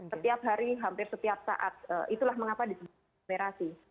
setiap hari hampir setiap saat itulah mengapa disimplifikasi